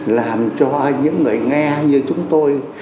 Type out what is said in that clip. làm cho những người nghe như chúng tôi